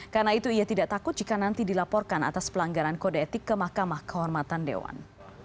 karena itu ia tidak takut jika nanti dilaporkan atas pelanggaran kode etik ke mahkamah kehormatan dewan